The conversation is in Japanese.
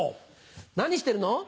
何してるの？